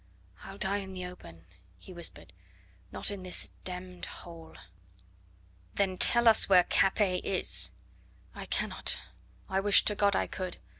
"I'll die in the open," he whispered, "not in this d d hole." "Then tell us where Capet is." "I cannot; I wish to God I could.